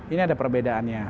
ini ada perbedaannya